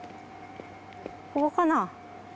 ここかな？